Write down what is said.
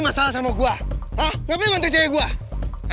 hah ngapain ngantri cewe gue